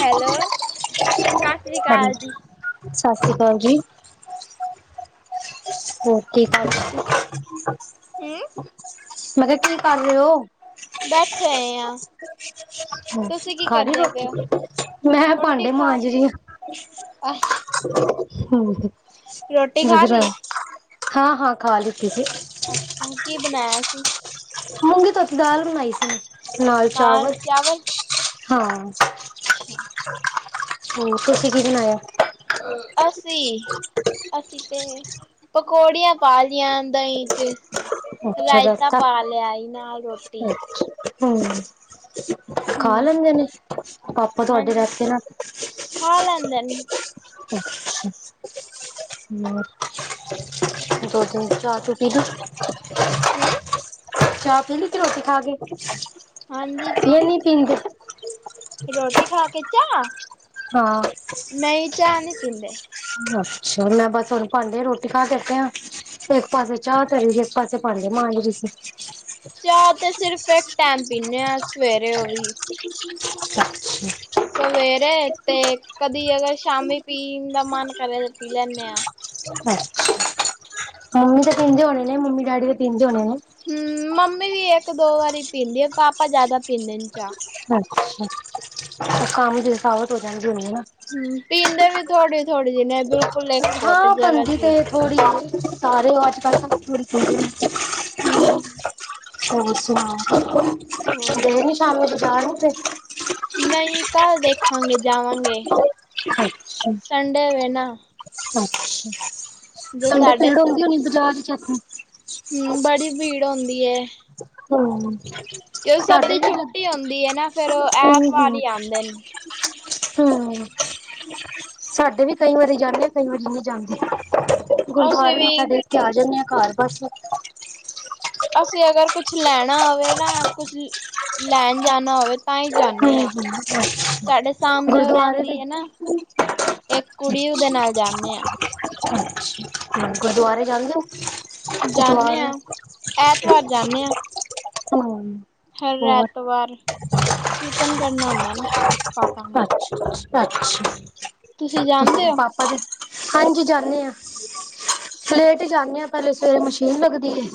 Hello ਸਤਿ ਸ੍ਰੀ hello, ਅਕਾਲ ਜੀ। ਸਤਿ ਸ਼੍ਰੀ ਅਕਾਲ ਜੀ [unintelligible] ਹਮ। ਮੈਂ ਕਿਹਾ, ਕੀ ਕਰ ਰਹੇ ਹੋ? ਬੈਠੇ ਹੋਏ ਹਾਂ। ਖਾ ਲਈ ਰੋਟੀ? ਮੈਂ ਰੋਟੀ ਭਾਂਡੇ ਖਾ ਮਾਂਜ ਲਈ। ਰਹੀ ਆ। ਅੱਛਾ ਹਮ। ਰੋਟੀ ਖਾ ਲਈ? ਹਾਂ ਹਾਂ ਖਾ ਲਤੀ ਸੀਗੀ। ਅੱਛਾ ਕੀ ਬਣਾਇਆ ਸੀ? ਤਤ ਦਾਲ ਬਣਾਈ ਸੀ। ਨਾਲ ਚਾਵਲ ਹਾਂ। ਅੱਛਾ, ਹੋ ਤੁਸੀਂ ਕੀ ਸੁਣਾਇਆ? ਅਸੀ ਅਸੀਂ ਤੇ ਪਕੌੜੀਆਂ ਪਾ ਲਈਆਂ ਦਹੀਂ ਚ। ਅੱਛਾ ਰਾਇਤਾ ਰੈਤਾ। ਪਾ ਲਿਆ ਨਾਲ ਰੋਟੀ। ਹਮ। ਖਾ ਹੂੰ ਲੈਂਦੇ ਨੇ ਪਾਪਾ ਹਾਂ ਤੁਹਾਡੇ ਰਾਈਤਾ ਨਾ ਖਾ ਲੈਂਦੇ ਨੇ। [unintelligible] ਦੋ ਦਿਨ ਚਾਰ ਚੁਟੀ ਦੀ ਹੈ। ਦਿੱਲੀ ਤੇ ਰੋਟੀ ਖਾ ਕੇ ਹਾਂਜੀ ਪੀਲ ਰੋਟੀ ਖਾ ਕੇ ਚਾਹ। ਹਾਂ, ਨਹੀਂ ਚਾਹ ਨਹੀਂ ਪੀਂਦੇ। ਅੱਛਾ ਹੁਣ ਭਾਂਡੇ ਰੋਟੀ ਖਾ ਕੇ ਹਟੇ ਇਕ ਪਾਸੇ ਚਾਹ ਤੇ ਇੱਕ ਪਾਸੇ ਚਾਹ ਤਰੀ ਬਸ, ਭਾਂਡੇ ਮਾਂਜ ਰਹੀ ਸੀ। ਚਾਹ ਤੇ ਸਿਰਫ ਇੱਕ ਟੈਮ ਪੀਂਨੇ ਹਾਂ। ਅੱਛਾ। ਸਵੇਰੇ, ਤੇ ਕਦੀ ਅਗਰ ਸ਼ਾਮੀ ਪੀਣ ਦਾ ਮਨ ਕਰੇ ਤੇ ਪੀ ਲੈਂਨੇ ਹਾਂ। ਮੰਮੀ ਤਾਂ ਪੀਂਦੇ ਹੋਣੇ ਨੇ, ਮੰਮੀ ਡੈਡੀ ਤਾਂ ਪੀਂਦੇ ਹੋਣੇ ਨੇ? ਹੂੰ ਮੰਮੀ ਵੀ ਇੱਕ ਦੋ ਵਾਰੀ ਪੀਂਦੀ ਆ, ਪਾਪਾ ਜਿਆਦਾ ਪੀਂਦੇ ਨੇ ਚਾਹ। ਕੰਮ ਤੇ, ਥਕਾਵਟ ਹੋ ਜਾਂਦੀ ਹੋਣੀ ਨਾ। ਹੂੰ ਪੀਂਦੇ ਵੀ ਥੋੜੀ- ਥੋੜੀ ਜਿਹੀ ਨੇ, ਬਿਲਕੁਲ ਇੱਕ ਘੁੱਟ ਹਾਂ ਜਰਾ ਬਣਦੀ ਜੀ। ਤੇ ਥੋੜੀ ਸਾਰੇ ਹੋ ਅੱਜ ਕੱਲ ਥੋੜ੍ਹੀ- ਥੋੜ੍ਹੀ ਹਮ। ਹੋਰ ਸੁਣਾਓ, ਹੋਰ ਗਏ ਨੀ ਸ਼ਾਮ ਨੂੰ ਬਜ਼ਾਰ ਉੱਥੇ। ਨਹੀਂ, ਕੱਲ ਦੇਖਾਂਗੇ। ਜਾਵਾਂਗੇ, ਅੱਛਾ ਸੰਡੇ ਵੇ ਨਾ। ਜੋ ਸੰਡੇ, ਸਾਡੇ ਭੀੜ ਹੁੰਦੀ ਹੋਣੀ ਬਾਜ਼ਾਰ ਚ। ਹੂੰ, ਬੜੀ ਭੀੜ ਹੁੰਦੀ ਹੈ। ਹੂੰ। ਸਾਡੇ ਦੀ ਵੀ, ਛੁੱਟੀ ਹੁੰਦੀ ਏ ਨਾ ਫੇਰ ਉਹ ਹੂੰ ਐਤਵਾਰ ਹੂੰ। ਹੀ ਆਂਦੇ ਨੇ। ਹੂੰ ਸਾਡੇ ਵੀ ਕਈ ਵਾਰੀ ਜਾਂਦੇ ਆ, ਕਈ ਵਾਰੀ ਨਹੀਂ ਜਾਂਦੇ। ਅਸੀਂ ਗੁਰਦੁਆਰੇ ਮੱਥਾ ਵੀ ਟੇਕ ਕੇ ਆ ਜਾਣੇ ਆ ਘਰ ਬਸ। ਅਸੀਂ ਅਗਰ ਕੁਛ ਲੈਣਾ ਹੋਵੇ ਨਾ, ਕੁਛ ਲੈਣ ਜਾਣਾ ਹੋਵੇ। ਤਾਂ ਹੀ ਜਾਂਦੇ ਹਾਂ, ਸਾਡੇ ਸਾਹਮਣੇ ਉਹ ਗੁਰਦੁਆਰੇ ਤੇ ਰਹਿੰਦੀ ਹੈ ਨਾ। ਇੱਕ ਕੁੜੀ ਉਹਦੇ ਨਾਲ ਜਾਨੇ ਆ। ਹੂੰ, ਗੁਰਦੁਆਰੇ ਜਾਂਦੇ ਹੋ? ਜਾਂਦੇ ਗੁਰਦੁਆਰੇ ਹਾਂ ਐਤਵਾਰ ਜਾਂਦੇ ਹਾਂ ਹਮ। ਹਰ ਐਤਵਾਰ ਨੂੰ। ਕੀਰਤਨ ਕਰਨਾ ਆਉਂਦਾ ਨਾ, ਪਾਪਾ ਨੂੰ। ਅੱਛਾ ਅੱਛਾ, ਪਾਪਾ ਨੇ। ਹਾਂਜੀ ਜਾਣੇ ਆਂ। ਲੇਟ ਜਾਣੇ ਆਂ। ਪਹਿਲੇ ਸਵੇਰੇ ਮਸ਼ੀਨ ਲੱਗਦੀ ਏ।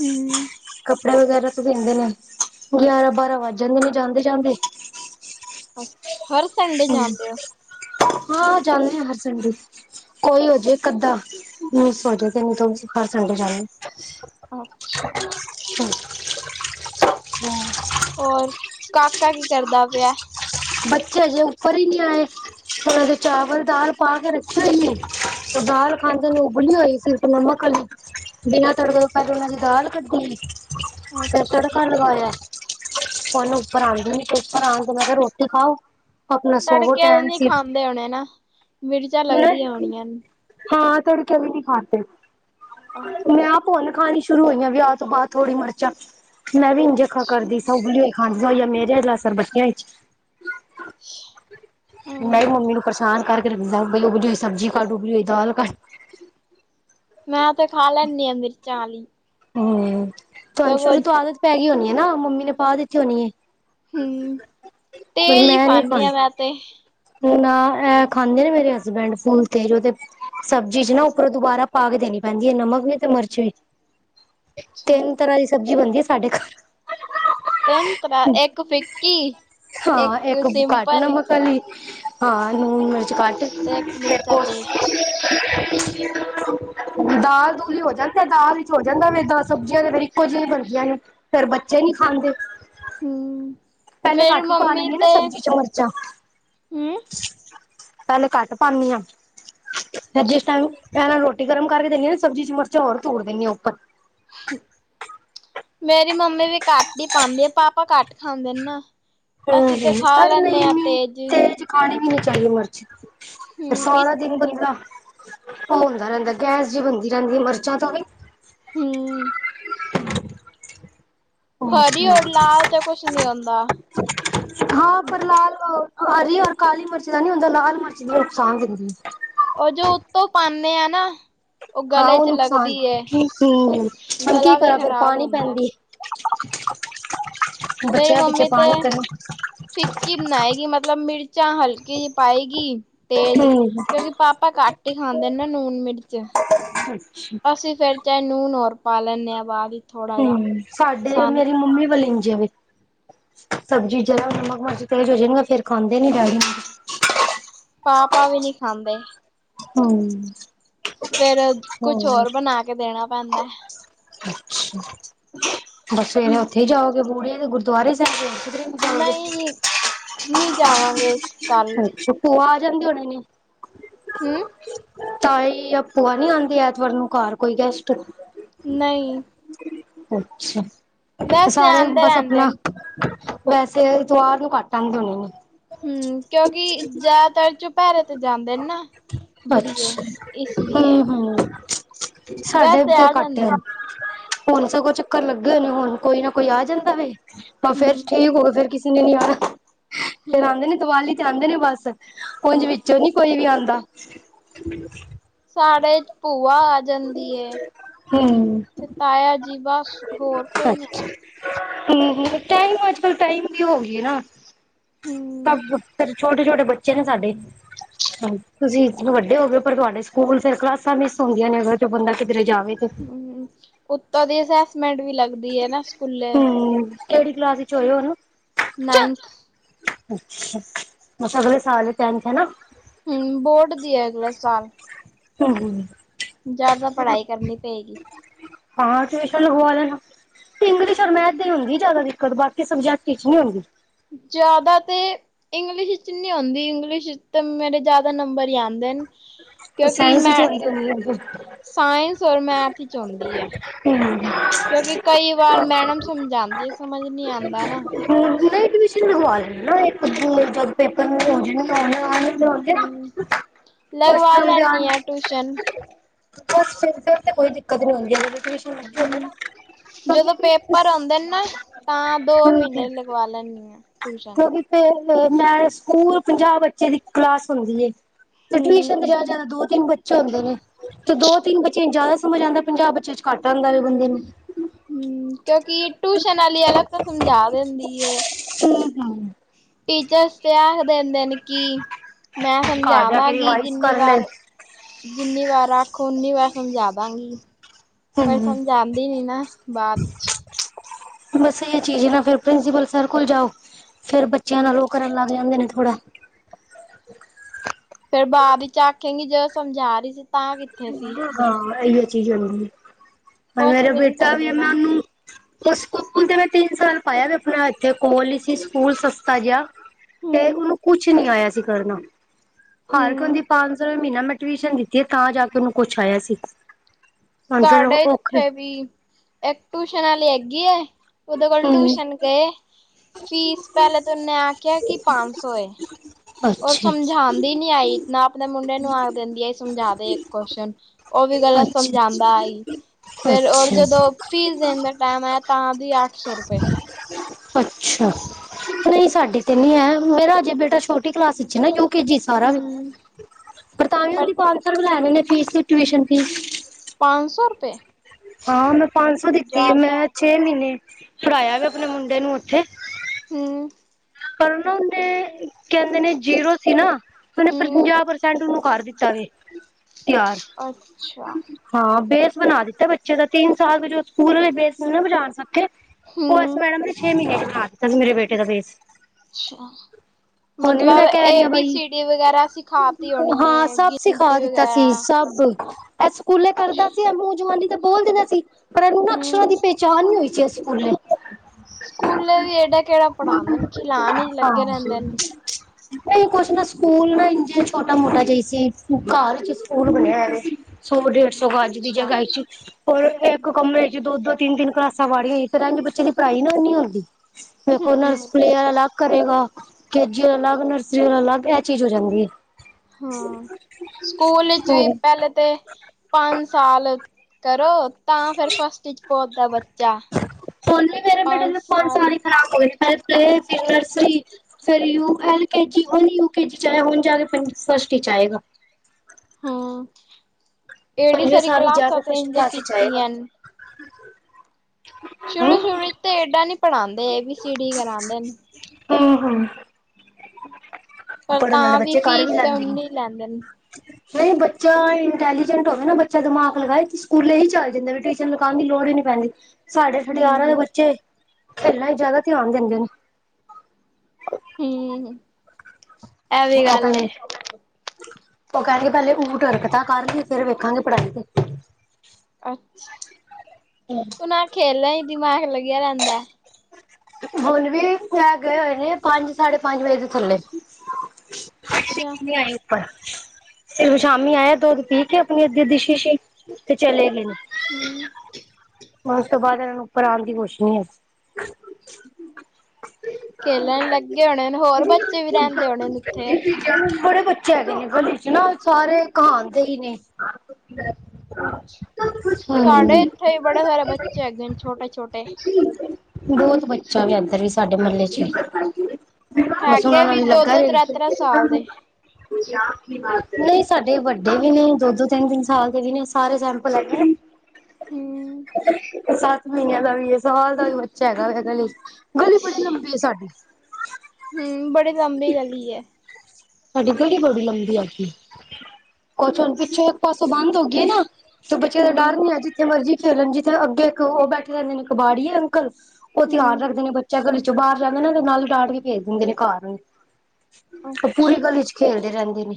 ਹਮ ਕੱਪੜੇ ਵਗੈਰਾ ਧੋਈਦੇ ਨੇ ਗਿਆਰਾਂ- ਬਾਰਾਂ ਵੱਜ ਜਾਂਦੇ ਨੇ ਜਾਂਦੇ- ਜਾਂਦੇ। ਅੱਛ, ਹਰ ਸੰਡੇ ਜਾਂਦੇ ਹੋ? ਹਾਂ ਜਾਣੇ ਹਾਂਹਰ ਸੰਡੇ, ਕੋਈ ਹੋਜੇ ਇੱਕ- ਅੱਧਾ ਮਿੱਸ ਹੋਜੇ ਨਹੀਂ ਤੇ ਹਰ ਸੰਡੇ ਜਾਣੇ ਹਾਂ। ਅੱਛਾ। ਹੂੰ। ਹੋਰ ਕਾਕਾ ਕੀ ਕਰਦਾ ਪਿਆ ਹੈ? ਬੱਚੇ ਅਜੇ ਉਪਰ ਹੀ ਨਹੀਂ ਆਏ, ਉਹਨੇ ਦੇ ਚਾਵਲ ਦਾਲ ਪਾ ਕੇ ਰੱਖੀ ਹੋਈ ਹੈ। ਦਾਲ ਖਾਂਦੇ ਨਹੀਂ ਉਬਲੀ ਹੋਈ ਸੀ, ਫਿਰ ਮੰਮਾ ਇੱਕਲੀ ਬਿਨਾਂ ਤੜਕੇ ਤੋਂ ਪਹਿਲੇ ਉਹਨਾਂ ਦੀ ਦਾਲ ਕੱਢੀ। ਫਿਰ ਅੱਛਾ। ਤੜਕਾ ਲਗਾਇਆ, ਹੁਣ ਉੱਪਰ ਆਉਂਦੇ ਨਹੀਂ। ਕੁਛ ਬਣਾਉਣਗੇ ਮੈਂ ਕਿਹਾ ਰੋਟੀ ਖਾਓ। ਆਪਣਾ ਸੋਵੋ ਤੜਕੇ ਟਾਈਮ ਨੀ ਸਿਰ ਖਾਂਦੇ ਹੋਣੇ ਨਾ ਮਿਰਚਾਂ ਹੈ, ਲੱਗਦੀਆਂ ਹੋਣੀਆਂ ਨੇ। ਹਾਂ। ਤੜਕੇ ਵੀ ਨਹੀਂ ਖਾਂਦੇ, ਮੈ ਆਪ ਹੁਣ ਖਾਣੀ ਸ਼ੁਰੂ ਹੋਈ ਆ, ਵਿਆਹ ਤੋਂ ਬਾਅਦ ਥੋੜੀ ਮਿਰਚਾਂ, ਮੈਂ ਵੀ ਇੰਝ ਹੀ ਖਾ ਅੱਛਾ ਕਰਦੀ ਸੀ, ਉਬਲੀ ਖਾਂਦਾ ਹੋਆ ਮੇਰੇ। ਪਰ ਬੱਚਿਆਂ ਵਿੱਚ ਮੈਂ ਹਾਂ ਵੀ ਮੰਮੀ ਨੂੰ ਪਰੇਸ਼ਾਨ। ਫਿਰ ਗਲ਼ ਪਈ ਹੋਈ ਉਬਲੀ ਸਬਜ਼ੀ ਕੱਢ, ਉਬਲੀ ਹੋਈ ਦਾਲ ਕੱਢ ਮੈਂ ਤੇ ਖਾ ਲੈਂਦੀ ਆ ਮਿਰਚਾਂ ਵਾਲੀ। ਹਮ, ਤੁਹਾਨੂੰ ਸਗੋਂ ਸ਼ੁਰੂ ਤੋਂ ਆਦਤ ਪੈ ਗਈ ਹੋਣੀ ਹੈ ਨਾ, ਮੰਮੀ ਨੇ ਪਾ ਦਿੱਤੀ ਹੋਣੀ ਹੈ। ਹਮ ਬਈ ਤੇਜ ਹੀ ਮੈਂ ਨਹੀਂ ਖਾਂਦੀ ਖਾਣੀ। ਆ ਮੈਂ ਤੇ ਨਾ, ਇਹ ਖਾਂਦੇ ਨੇ ਮੇਰੇ ਹਸਬੈਂਡ ਫੁੱਲ ਤੇਜ਼ ਉਹਤੇ ਸਬਜ਼ੀ 'ਚ ਨਾ ਉੱਪਰੋਂ ਦੁਬਾਰਾ ਪਾ ਕੇ। ਦੇਣੀ ਪੈਂਦੀ ਹੈ। ਨਮਕ ਵੀ, ਤੇ ਮਿਰਚ ਵੀ ਅੱਛਾ ਤਿੰਨ ਤਰ੍ਹਾਂ ਦੀ ਸਬਜ਼ੀ ਬਣਦੀ ਹੈ ਸਾਡੇ ਘਰ। ਤਿੰਨ ਤਰ੍ਹਾਂ ਇੱਕ ਫਿੱਕੀ, ਹਾਂ ਇੱਕ ਘੱਟ ਸਿੰਪਲ। ਨਮਕ ਵਾਲੀ ਹਾਂ, ਲੂਣ ਮਿਰਚ ਘੱਟ ਤੇ ਇੱਕ ਫਿਰ ਮਿਰਚਾਂ ਤੇਜ [unintelligible] ਦਾਲ- ਦੂਲ ਹੀ ਹੋ ਜਾਂਦਾ, ਦਾਲ ਵਿੱਚ ਹੋ ਜਾਂਦਾ ਫੇਰ ਤਾਂ ਸਬਜ਼ੀਆਂ ਤੇ ਫੇਰ ਇੱਕੋ ਜਹੀਆਂ ਬਣਦੀਆਂ ਨੇ ਫੇਰ ਬੱਚੇ ਨੀ। ਹਾਂਜੀ, ਹਮ ਪਹਿਲੇ ਮੇਰੀ ਘੱਟ ਹੀ ਪਾ ਰਹੀ ਹਾਂ ਸਬਜ਼ੀ 'ਚ ਮਰਚਾਂ। ਹੂੰ। ਪਹਿਲੇ ਘੱਟ ਪਾਉਣੀ ਆ। ਫੇਰ ਜਿਸ ਟਾਈਮ ਇਹਨਾਂ ਰੋਟੀ। ਤੇ ਗਰਮ ਕਰਕੇ ਦਿੰਦੀ ਹਾਂ। ਸਬਜ਼ੀ 'ਚ ਮਰਚਾਂ ਹੋਰ ਤੋੜ ਦਿੰਦੀ ਹਾਂ, ਉੱਪਰ। ਮੇਰੀ ਮੰਮੀ ਵੀ ਘੱਟ ਹੀ ਪਾਉਂਦੀ ਆ। ਪਾਪਾ ਘੱਟ ਖਾਂਦੇ ਨੇ ਨਾ। ਉਹ -ਹ, ਅਸੀਂ ਤੇ ਖਾ ਇੰਨੀ- ਲੈਂਦੇ ਹਾਂ ਇੰਨੀ ਤੇਜ ਖਾਣੀ ਨਹੀਂ ਚਾਹੀਏ ਮਿਰਚ, ਫਿਰ ਹਮ ਸਾਰਾ ਦਿਨ ਬੰਦਾ। ਉਹ ਹੁੰਦਾ ਰਹਿੰਦਾ ਹੈ। ਗੈਸ ਜੀ ਬਣਦੀ ਰਹਿੰਦੀ ਮਿਰਚਾਂ ਤੋਂ ਵੀ। ਹੁੰ ਹਰੀ ਔਰ ਲਾਲ ਤੇ ਕੁਛ ਨੀ ਹੁੰਦਾ ਹਾਂ ਫੇਰ ਲਾਲ ਹਰੀ ਔਰ ਕਾਲੀ ਮਿਰਚ ਦਾ ਨੀ ਹੁੰਦਾ, ਲਾਲ ਮਿਰਚ ਦੀ ਨੁਕਸਾਨ ਦਿੰਦੀ। ਉਹ ਜੋ ਉੱਤੋਂ ਪਾਉਦੇ ਆ ਨਾ ਹਾਂ ਗਲੇ ਉਹ ਚ ਨੁਕਸਾਨ, ਲੱਗਦੀ ਹੈ ਹਮ ਹੁਣ ਕੀ ਗਲਾ ਵੀ ਕਰਾਂ ਫੇਰ ਖ਼ਰਾਬ ਪਾਣੀ ਹੁੰਦਾ ਪੈਂਦੀ ਮੇਰੀ ਬੱਚਿਆਂ ਪਿੱਛੇ ਮੰਮੀ ਤੇ ਪਾਣੀ ਕਰਾਂ ਫੀਕੀ ਬਨਾਏਗੀ ਮਤਲਬ ਮਤਲਬ ਮਿਰਚਾਂ ਹਲਕੀ ਜਿਹੀ ਪਾਏਗੀ ਤੇਜ ਹੂੰ ਕਿਉਂਕਿ ਪਾਪਾ ਕੱਟ ਹੀ ਖਾਂਦੇ ਨੇ ਲੂਣ -ਮਿਰਚ ਅੱਛਾ ਅਸੀਂ ਫੇਰ ਚਾਹੇ ਨੂਨ ਹੋਰ ਪਾ ਲੈਂਨਦੇ ਹਾਂ ਬਾਅਦ ਵਿੱਚ ਥੋੜਾ ਜਿਹਾ ਹਮ, ਸਾਡੇ ਸਾਨੂੰ ਮੇਰੀ ਮੰਮੀ ਵਲੱ ਈਜੇਵੇ। ਸਬਜ਼ੀ ਜਰਾ ਨਮਕ- ਮਰਚ ਤੇਜ ਹੋਜੇ ਫੇਰ ਖਾਂਦੇ ਨੀ ਡੈਡੀ ਪਾ- ਪਾ ਵੀ ਨਹੀਂ ਖਾਂਦੇ ਹਮ ਫੇਰ ਕੁਛ ਹੋਰ ਬਣਾ ਕੇ ਦੇਣਾ ਪੈਂਦਾ ਹੈ। ਅੱਛ, ਬਸ ਸਵੇਰੇ ਹਮ, ਉੱਥੇ ਜਾਓਗੇ ਪੂੜ ਦੇ ਗੁਰਦੁਆਰੇ ਸਾਹਿਬ ਕਿਧਰੇ ਨੀ ਜਾਓਗੇ ਨਹੀਂ ਨੀ ਜਾਵਾਂਗੇ ਕੱਲ ਜਾਂਦੀ ਹੋਣੀ ਨੇ ਹਮ ਤਾਈ ਆ ਭੂਆ ਨੀ ਆਉਂਦੀ ਐਤਵਾਰ ਨੂੰ ਘਰ ਕੋਈ ਗੈਸਟ ਨਈਂ। ਅੱਛਾ ਸਾਰੇ ਆਂਦੇ ਬਸ ਰਹਿੰਦੇ ਅਪਨਾ ਨੇ ਵੈਸੇ ਦਵਾਰ ਨੂੰ ਘੱਟ ਆਂਦੇ ਹੋਨੇ ਨੇ। ਹੂੰ ਕਿਉਂਕਿ ਜ਼ਿਆਦਾਤਰ ਚੁਪਹਿਰੇ ਤੇ ਜਾਂਦੇ ਨਾ। ਬੁੜੀਏ ਅੱਛਾ, ਇਸ ਲੀਏ ਹੂੰ- ਹੂੰ। ਸਾਡੇ ਵੀ ਵੈਸੇ ਤੇ ਕੱਟ ਜਾਂਦੇ ਆ ਨੇ ਹੁਣ ਸਗੋਂ ਚੱਕਰ ਲੱਗੇ ਹੋਣੇ ਹੁਣ ਕੋਈ ਨਾ ਕੋਈ ਆ ਜਾਂਦਾ ਵੇ, ਫੇਰ ਠੀਕ ਹੂੰ ਹੋ ਫਿਰੇ ਫਿਰ ਆਉਂਦੇ ਨੇ ਦੀਵਾਲੀ ਚ ਆਉਂਦੇ ਨੇ ਬਸ ਉਜ ਹਾਂ ਵਿੱਚੋਂ ਨੀ ਕੋਈ ਵੀ ਆਉਂਦਾ ਸਾਡੇ ਭੂਆ ਜਾਂਦੀ ਐ ਹੂੰ ਤੇ ਤਾਇਆ ਜੀ ਬਸ ਹੋਰ ਕੋਈ ਨੀ ਹਮ ਟਾਈਮ ਅੱਜ -ਕੱਲ ਟਾਈਮ ਵੀ ਹੋ ਗਈ ਨਾ ਸਭ ਹੂੰ ਛੋਟੇ- ਛੋਟੇ ਬੱਚੇ ਨੇ ਸਾਡੇ ਹਾਂਜੀ, ਤੁਸੀਂ ਵੱਡੇ ਹੋ ਗਏ ਹੋ ਪਰ ਤੁਹਾਡੇ ਸਕੂਲ ਫੇਰ ਕਲਾਸਾਂ ਮਿਸ ਹੁੰਦੀਆਂ ਨੇ ਸੋਚੋਂ ਬੰਦਾ ਕਿਧਰੇ ਜਾਵੇ ਤੇ ਹਮ ਉੱਤੋਂ ਦੀ ਅਸੈਸਮੈਂਟ ਵੀ ਲੱਗਦੀ ਐਨਾ ਸਕੂਲੇ ਹੂੰ ਕਿਹੜੀ ਕਲਾਸ ਵਿਚ ਚ ਹੋਇ ਉਹਨੂੰ ਨਾਈਨਥ ਅੱਛਾ, ਬਸ ਅਗਲੇ ਸਾਲ ਏ ਟੈਂਠ ਹੈ ਨਾ। ਹਮ ਬੋਰਡ ਦੀ ਹੈ ਅਗਲੇ ਸਾਲ ਹਮ- ਹਮ ਜਿਆਦਾ ਪੜ੍ਹਾਈ ਕਰਨੀ ਪਏਗੀ ਹਾਂ ਤੁਸੀਂ ਇੰਗਲਿਸ਼ ਔਰ ਮੈਥ ਦੀ ਹੁੰਦੀ ਜ਼ਿਆਦਾ ਦਿੱਕਤ ਬਾਕੀ ਸਬਜੈਕਟ ਚ ਨਹੀਂ ਹੁੰਦੀ। ਜ਼ਿਆਦਾ ਤੇ ਇੰਗਲਿਸ਼ ਚ ਨੀ ਉਂਦੀ ਇੰਗਲਿਸ਼ ਚ ਤਾਂ ਮੇਰੇ ਜ਼ਿਆਦਾ ਨੰਬਰ ਈ ਆਂਦੇਨ। ਕਿਉਂਕਿ ਸਾਇੰਸ ਵਿੱਚ ਮੈਂ ਹੁੰਦੀ ਹੁੰਦੀ ਸਾਇੰਸ ਔਰ ਮੈਥ ਵਿਚ ਆਉਂਦੀ ਹੈ। ਹੂੰ। ਕਿਉਂਕਿ ਕਈ ਵਾਰ ਮੈਡਮ ਸਮਝਾਂਦੀ ਸਮਝ ਨੀ ਆਂਦਾ ਨਾ। ਟੀਯੁਸ਼ਨ ਲਗਵਾ ਲੇਨ ਨ ਇੱਕ ਅੱਦੀ ਜਦ ਪੇਪਰ ਹੋ [unintelligible] [unintelligible] ਫਸਟ ਟ੍ਮ ਦੇ ਆਨਗੇ ਹੋਨਗੇ ਨਾ। ਲਗਵਾ ਲੈਂਦੀ ਆ ਟਿਊਸ਼ਨ ਬਸ ਫਿਰ, ਫਿਰ ਤੇ ਕੋਈ ਦਿੱਕਤ ਨੀ ਹੁੰਦੀ ਐ ਅਗਰ ਤੁਸੀ ਟੀਯੁਸ਼ਨ ਹੂੰ। ਜਦੋਂ ਪੇਪਰ ਹੋਂਦੇ ਨੇ ਨਾ ਤਾਂ ਦੋ ਮਹੀਨੇ ਲਗਵਾ ਲੈਨੀ ਆ ਟਿਯੁਸ਼ਨ। ਕਿਉਂਕਿ ਤੇ ਮੈਂ ਸਕੂਲ ਪੰਜਾਹ ਬੱਚੇ ਦੀ ਕਲਾਸ ਹੁੰਦੀ ਏ। ਤੇ ਟਿਯੁਸ਼ਨ ਹਮ। ਤੇ ਜੈਂਦਾ ਤੋਂ ਜੈਦਾ ਦੋ- ਤਿੰਨ ਬੱਚੇ ਹੁੰਦੇ ਨੇ ਤੇ ਦੋ- ਤਿੰਨ ਬੱਚਿਆਂ ਚ ਜਿਆਦਾ ਸਮਝ ਆਂਦਾ। ਪੰਜਾਹ ਬੱਚੇ ਚ ਘੱਟ ਆਂਦਾ ਵੇ ਬੰਦੇ ਨੂੰ। ਕਿਉਂਕਿ ਟੂਸ਼ਨਾ ਆਲੀ ਅਲਗ ਤੋ ਸਮਝਾ ਦਿੰਦੀ ਏ। ਟੀਚਰਸ ਤੇ ਆਖਦੇਂਦੇ ਨੇ ਕੀ ਮੈਂ ਸਮਝਾਵਾਂਗੀ ਜਿੰਨੀ ਵਾਰ ਜਿੰਨੀ ਵਾਰ ਆਖੋ ਊਨੀ ਵਾਰ ਸਮਝਾਦਾਂਗੀ। ਹੂੰ ਪਰ ਸਮਝਾਂਦੀ ਨੀ ਨਾ ਬਾਅਦ ਚ। ਬਸ ਇਹ ਚੀਜ਼ ਨਾ ਫਿਰ ਪ੍ਰਿੰਸੀਪਲ ਸਰ ਕੋਲ ਜਾਓ ਫਿਰ ਬੱਚਿਆਂ ਨਾਲ ਓ ਕਰਨ ਲਗ ਜਾਂਦੇ ਨੇ ਥੋੜਾ ਫਿਰ ਬਾਦ ਚ ਆਖੇਂਗੀ ਜਦੋਂ ਸਮਝਾ ਰੀ ਸੀ ਤਾਂ ਕਿਥੇ ਸੀ। ਅਈਓ ਚੀਜ਼ ਹੂੰਦੀ ਏ ਪਰ ਪੁੱਛ ਮੇਰਾ ਨੀ ਬੇਟਾ ਵੀ ਏ ਸਕਦੇ ਨਾ ਮੈਂ ੳਹਨੁ ਓਸ ਸਕੁਲ ਦੇ ਵਿਚ ਤਿੰਨ ਸਾਨੂੰ ਪਾਇਆ ਵ ਅਪਣਾ ਇੱਥੇ ਕੋਲ ਹੀ ਸੀ ਸਕੂਲ ਸਸਤਾ ਜਿਹਾ ਤੇ ਹੂੰ ਉਹਨੂੰ ਕੁਛ ਨਈ ਆਇਆ ਕਰਨਾ। ਹਾਰ ਕੇ ਉਂਦੀ ਹੂੰ ਪਾੰਸੋਂ ਰੁਪੇ ਮਹੀਨਾ ਮੈਂ ਟੀਯੁਸ਼ਨ ਦੀਤੀ ਏ ਤਾਂ ਜਾ ਤੈਨੂੰ ਕੁੱਛ ਆਇਆ ਸੀ। ਹੁਣ ਫੇਰ ਸਾਡੇ ਔਖੇ ਇਥੇ ਵੀ ਏਕ ਟਿਯੁਸ਼ਨ ਆਲੀ ਹੈਗੀ ਏ। ਓਦੇ ਕੋਲ ਹੂੰ ਟਿਯੁਸ਼ਨ ਗਏ। ਫੀਸ ਪਹਿਲੇ ਤੇ ਓਹਨੇ ਆਖਿਆ ਕਿ ਪਾਂਸੋ ਏ। ਔਰ ਅੱਛਾ, ਸਮਝਾਂਦੀ ਨੀ ਆਈ, ਨਾ ਆਪਨੇ ਮੁੰਡੇ ਨੂੰ ਆਖ ਦਿੰਦੀ ਏ ਸਮਝਾਂਦੇ ਇਕ ਕੋਸ਼ਨ। ਉਹੀ ਗੱਲਾਂ ਅੱਛਾ, ਸਮਝਾਂਦਾ ਈ ਫਿਰ ਔਰ ਅੱਛਾ, ਜਦੋਂ ਫੀਸ ਦੇਣ ਦਾ ਟੈਮ ਆਇਆ। ਤਾਂ ਵੀ ਅੱਠ ਸੋ ਰੁਪਏ ਅੱਛਾ ਨਹੀਂ ਸਾਡੇ ਤੇ ਨਹੀਂ ਆਇਆ ਮੇਰਾ ਅਜੇ ਬੇਟਾ ਛੋਟੀ ਕਲਾਸ 'ਚ ਨਾ ਯੂ ਕੇ ਜੀ ਸਾਰਾ ਹੂੰ ਪਰ ਤਾਂ ਵੀ ਉਹਦੀ ਪੰਜ ਸੋ ਲੈ ਰਹੇ ਨੇ ਫੀਸ ਟਿਊਏਸ਼ਨ ਫੀਸ ਪੰਜ ਸੌ ਰੁਪਏ ਹਾਂ ਪੰਜ ਸੋ ਦਿੱਤੀ ਏ ਜ਼ਿਆਦਾ ਮੈਂ ਹੈ। ਛੇ ਮਹੀਨੇ ਪੜਾਇਆ ਆਪਣੇ ਮੁੰਡੇ ਨੂੰ ਉੱਥੇ ਹੂੰ। ਪਰ ਨੇ ਓਂਦੇ ਕਹਿੰਦੇ ਨੇ ਜ਼ੀਰੋ ਸੀ ਨਾ ਉਹਨੇ ਹੂੰ, ਪਂਜਾਹ ਪਰਸੈਂਟ ਉਹਨੂੰ ਕਰ ਦੀ ਤਾਹੀਂ ਤਿਆਰ ਅੱਛਾ, ਹਾਂ, ਬੇਸ ਬਣਾ ਦਿੱਤਾ ਬੱਚੇ ਦਾ ਤਿੰਨ ਸਾਲ ਜੋ ਸਕੂਲ ਆਲੇ ਬੇਸ ਨਾ [unintelligible] ਤੇ ਓਸ ਹੂੰ, ਮੈਡਮ ਨੇ ਛੇ ਮਹੀਨੇ ਚ ਬਨਾ ਤਾਂ ਸੀ ਮੇਰੇ ਬੇਟੇ ਦਾ ਬੇਸ। ਛਾਂ। ਹੁਣ ਵੀ ਮਤਲਬ ਮੈਂ ਕਹਿ ਰਹੀ ਹਾਂ ਬਈ ਏਬੀਸੀਡੀ ਵਗੈਰਾ ਸਿਖਾ ਤੀ ਓਨੀ ਏ ਗਿਣਤੀ ਵਗੈਰਾ। ਬਿਲਕੁ ਇਹ ਸਕੂਲੇ ਕਰਦਾ ਸੀ ਇਹ ਮੁਜਵਾਨੀ ਤੇ ਬੋਲ ਦਿੰਦਾ ਸੀ ਪਰ ਇਹਨੂੰ ਨਾ ਅਕਸ਼ਰਾਂ ਹੂੰ, ਦੀ ਪਹਿਚਾਣ ਨੀ ਹੋਈ ਸੀ ਇਸ ਸਕੂਲੇ ਸਕੂਲੇ ਵੀ ਏਡਾ ਕੇੜਾ ਪਾਂਦੇ ਠੀ ਹਾਂ। ਨਹੀਂ ਕੁਝ ਨਾ ਸਕੂਲ ਨਾ ਇੰਜੇ ਛੋਟਾ ਮੋਟਾ ਜਈ ਸੀ ਘਰ ਚ ਸਕੂਲ ਬਣਿਆ ਓਯਾ ਏ। ਸੋ ਢੇਡ ਸੋ ਗਜ ਦੀ ਅੱਛਾ, ਜਗ੍ਹਾ ਇਚ ਔਰ ਇੱਕ ਕਮਰੇ ਚ ਦੋ-ਦੋ, ਤਿੰਨ- ਤਿੰਨ ਕਲਾਸਾਂ ਵਾੜੀਆਂ ਫੇਰ ਇਂਜ ਬੱਚੇ ਦੀ ਪੜਾਈ ਨਾ ਨੀ ਹੁੰਦੀ। ਮਖ ਨਾ ਹੂੰ, [unintelligible] ਕਰੇਗਾ। ਕੇਜੀ ਆਲਾ ਅਲਗ, ਨਰਸਰੀ ਆਲਾ ਅਲਗ ਇਹ ਚੀਜ਼ ਹੋ ਜਾਂਦੀ ਏ। ਹਾਂ, ਸਕੂਲ ਜਿਵੇਂ ਹੈ ਪਹਿਲੇ ਤੇ ਪੰਨ ਸਾਲ ਕਰੋ ਤਾਂ ਫਿਰ ਫਸਟ 'ਚ ਪਹੁੰਚ ਦਾ ਬ ਮੇਰੇ ਬੇਟੇ ਨੂੰ ਫੋਨ ਸਾਲ ਸਾਰੀ ਖਰਾਬ ਹੋ ਗਈ। ਪਹਿਲੇ ਪਲੇਅ ਫ਼ਿਰ ਨਸਰੀ ਫਿਰ ਯੂ ਐਲ ਕੇ ਜੀ ਹੁਨ ਯੂ ਕੇ ਜੀ ਆਇਆ ਹੁਣ ਜਾ ਕੇ ਭੈਣਜੀ ਫਸਟ ਟ 'ਚ ਆਏਗਾ। ਹਾਂ [unintelligible] ਇਹ ਜਿਹੜੀ ਸਾਰੀ ਕਲਾਸ ਟੀ ਐਨ ਹ [inaudible] ਚਲੋ ਸ਼ੁਰੂ ਤੇ ਏਡਾ ਨਹੀਂ ਪੜਾਂਦੇ ਏ ਬੀ ਸੀ ਡੀ ਕਰਾਂਦੇ। ਹੂੰ ਹੂੰ ਪਰ ਪੜ੍ਹਨ ਵਾਲੇ ਤਾਂ ਵੀ ਬੱਚੇ ਕਰ ਫੀਸ ਤੇ ਲੈਂਦੇ ਨੇ ਉਹਨੀ ਲੈਂਦੇ ਨੇ। ਨਹੀਂ ਬੱਚਾ ਇੰਟੈਲੀਜੈਂਟ ਹੋਵੇ ਨਾ ਬੱਚਾ ਦਿਮਾਗ ਲਗਾਏ ਸਕੂਲੇ ਹੀ ਚੱਲ ਜਾਂਦਾ ਵੀ ਟਿਊਸ਼ਨ ਲਗਾ ਆਣ ਦੀ ਲੋੜ ਹੀ ਨੀ ਪੈਂਦੀ। ਸਾਡੇ ਠਠਿਆਰਾਂ ਦੇ ਹੂੰ-ਹੂੰ ਬੱਚੇ ਖੇਲਾਂ ਹੀ ਜ਼ਿਆਦਾ ਧਿਆਨ ਦਿੰਦੇ ਨੇ। ਹੂੰ ਇਹ ਵੀ ਉਹ ਗੱਲ ਕਹਿੰਦੇ ਏ। ਨੇ ਉਹ ਕਹਿਣਗੇ ਪਹਿਲੇ ਊਤ ਹਰਕਤਾਂ ਕਰ ਲਾਈਏ ਫਿਰ ਵੇਖਾਂਗੇ ਪੜ੍ਹਾਈ ਤੇ ਅੱਛਾ ਉਹ ਨਾ ਖੇਲਣਾ ਹੀ ਦਿਮਾਗ ਲੱਗਿਆ ਰਹਿੰਦਾ। ਹੁਣ ਵੀ ਫੈ ਗਏ ਹੋਏ ਨੇ ਪੰਜ ਸਾਢੇ ਪੰਜ ਵਜੇ ਦੇ ਥੱਲੇ ਖ ਅੱਛਾ ਹੂੰ [unintelligible] ਆਏ ਉੱਪਰ ਫਿਰ ਸ਼ਾਮੀ ਆਇਆ ਦੁੱਧ ਪੀ ਕੇ ਆਪਣੀ ਅੱਧੀ ਦੀ ਸ਼ੀਸ਼ੀ ਤੇ ਚਲੇ ਗਏ ਨੇ। ਹੂੰ ਹੁਣ ਉਸ ਤੋਂ ਬਾਅਦ ਇਹਨਾਂ ਨੂੰ ਉੱਪਰ ਆਉਣ ਦੀ ਹੋਸ਼ ਨਹੀਂ ਐ। ਖੇਲਣ ਲੱਗੇ ਹੋਣੇ ਹੋਰ ਹੈਗੀ ਬੱਚੇ ਵੀ ਰਹਿੰਦੇ ਹੋਣੇ ਨੇ ਉੱਥੇ ਬੜੇ ਬੱਚੇ ਹੈਗੇ ਨੇ ਗਲੀ 'ਚ ਨਾ ਸਾਰੇ ਇਕ ਹਾਣ ਦੇ ਹੀ ਨੇ। ਅੱਛਾ ਹਾਂ ਸਾਡੇ ਇੱਥੇ ਹੀ ਬੜੇ ਸਾਰੇ ਬੱਚੇ ਹੈਗੇ ਨੇ ਛੋਟੇ- ਛੋਟੇ ਬਹੁਤ ਬੱਚਾ ਵੀ ਇਧਰ ਵੀ ਸਾਡੇ ਮਹੱਲੇ 'ਚ ਬਸ ਉਨ੍ਹਾਂ ਹੈਗੇ ਨਾਲ ਵੀ ਹੀ ਲੱਗਾ ਦੋ-ਦੋ, ਰੇ। ਤ੍ਰੈ-ਤ੍ਰੈ ਸਾਲ ਦੇ। ਸਾਡੇ ਵੱਡੇ ਵੀ ਨੇ, ਦੋ ਦੋ ਤਿੰਨ ਤਿੰਨ ਸਾਲ ਦੇ ਵੀ ਨੇ ਸਾਰੇ ਸੈਂਪਲ ਹੈਗੇ ਨੇ ਹੂੰ-ਹੂੰ ਸੱਤ ਮਹੀਨਿਆਂ ਦਾ ਵੀ ਐ, ਸਾਲ ਦਾ ਵੀ ਬੱਚਾ ਹੈਗਾ ਵੇ, ਐਦੇ ਲਈ ਗਲੀ ਬੜੀ ਲੰਬੀ ਸਾਡੀ। ਹੂ ਬੜੀ ਲੰਬੀ ਗਲੀ ਐ। ਸਾਡੀ ਗਲੀ ਬੜੀ ਲੰਬੀ ਹੈਗੀ, ਕੁਝ ਪਿੱਛੋਂ ਇੱਕ ਪਾਸੋਂ ਬੰਦ ਹੋ ਗਈ ਨਾ। ਤੇ ਬੱਚਿਆਂ ਦਾ ਡਰ ਨੀ ਹੈ ਹੂੰ-ਹੂੰ ਜਿੱਥੇ ਮਰਜੀ ਖੇਲਣ, ਜਿੱਥੇ ਅੱਗੇ ਉਹ ਬੈਠੇ ਰਹਿੰਦੇ ਨੇ ਕਬਾੜੀਏ ਅੰਕਲ ਉਹ ਧਿਆਨ ਰੱਖਦੇ ਨੇ ਬੱਚਾ ਅਗਰ 'ਚੋਂ ਬਾਹਰ ਜਾਂਦੇ ਨੇ ਤੇ ਨਾਲ ਡਾਟ ਕੇ ਭੇਜ ਦਿੰਦੇ ਨੇ ਘਰ ਨੂੰ ਹਾਂ ਪੂਰੀ ਗਲੀ 'ਚ ਖੇਲਦੇ ਰਹਿੰਦੇ ਨੇ।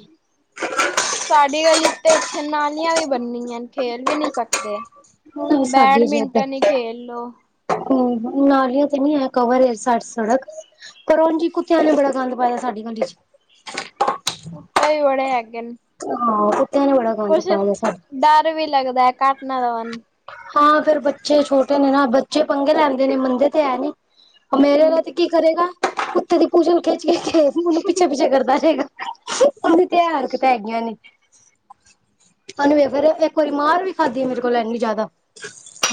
ਸਾਡੀ ਗਲੀ ਤੇ ਇੱਥੇ ਨਾਲੀਆਂ ਵੀ ਬਣੀਆਂ ਖੇਲ ਵੀ ਨੀ ਸਕਦੇ। ਨਾ ਸਾਡੇ ਜੇ ਬੈਡਮਿੰਟਨ ਹੀ ਇਧਰ ਖੇਲ ਲਓ। ਹੂੰ ਨਾਲੀਆਂ ਤੇ ਨੀ ਹੈ ਕਵਰ ਸਾਡੀ ਸੜਕ ਪਰ ਉਂਜ ਈ ਕੁੱਤਿਆਂ ਨੇ ਬੜਾ ਗੰਦ ਪਾਇਆ ਸ ਸਾਡੀ ਮੰਡੀ 'ਚ ਕੁੱਤੇ ਵੀ ਬੜੇ ਹੈਗੇ ਨੇ। ਹਾਂ ਕੁੱਤਿਆਂ ਨੇ ਬੜਾ ਗੰਦ ਕੁਛ ਪਾਇਆ ਸਾਡੇ ਡਰ ਵੀ ਲੱਗਦਾ ਹੈ ਕੱਟ ਨਾ ਲਾਵਣ ਹਾਂ ਫ਼ਿਰ ਬੱਚੇ ਛੋਟੇ ਨੇ ਨਾ ਬੱਚੇ ਪੰਗੇ ਲੈਂਦੇ ਨੇ ਮੰਨਦੇ ਤੇ ਹੈ ਨੀ। ਮੇਰੇ ਹੂੰ। ਨਾਲ ਤੇ ਕੀ ਕਰੇਗਾ ਕੁੱਤੇ ਦੀ ਪੂਛਲ ਖਿੱਚ- ਖਿੱਚ ਕੇੇ ਉਹਨੂੰ ਪਿੱਛੇ -ਪਿੱਛੇ ਕਰਦਾ ਰਹੇਗਾ। ਉਲਟੀਆ ਹਰਕਤਾਂ ਹੈਗੀਆਂ ਨੇ। ਆਨੂੰ ਫੇਰ ਇੱਕ ਵਾਰੀ ਮਾਰ ਵੀ ਖਾਦੀ ਮੇਰੇ ਕੋਲ ਇਨੀ ਜਿਆਦਾ [inaudible]